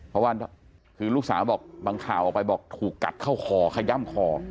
เพราะว่าคือลูกสาวบอกบางข่าวออกไปบอกถูกกัดเข้าคอขย่ำคอ